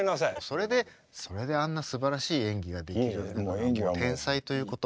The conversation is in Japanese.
それでそれであんなすばらしい演技ができるんだからもう天才ということ。